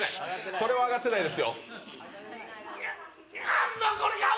これは上がってないですよ。